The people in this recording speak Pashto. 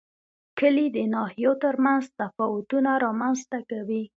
کلي د ناحیو ترمنځ تفاوتونه رامنځ ته کوي.